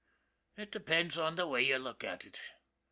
It depends on the way you look at it.